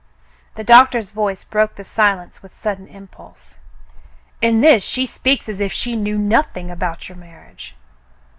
The doctor's voice broke the silence with sudden impulse. "In this she speaks as if she knew nothing about your marriage."